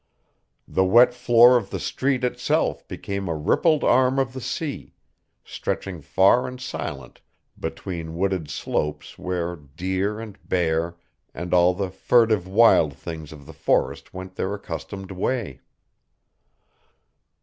The wet floor of the street itself became a rippled arm of the sea, stretching far and silent between wooded slopes where deer and bear and all the furtive wild things of the forest went their accustomed way.